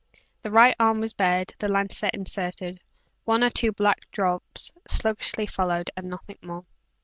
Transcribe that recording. The right arm was bared; the lancet inserted, one or two black drops sluggishly followed and nothing more.